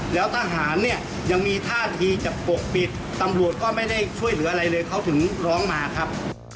แล้วทหารเนี่ยยังมีท่าทีจะปกปิดตำรวจก็ไม่ได้ช่วยเหลืออะไรเลยเขาถึงร้องมาครับ